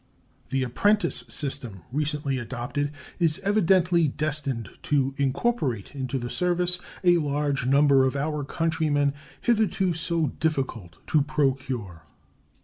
The apprentice system recently adopted is evidently destined to incorporate into the service a large number of our countrymen, hitherto so difficult to procure.